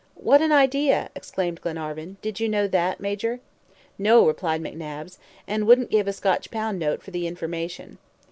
"What an idea!" exclaimed Glenarvan. "Did you know that, Major?" "No," replied McNabbs, "and wouldn't give a Scotch pound note for the information."